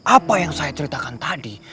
apa yang saya ceritakan tadi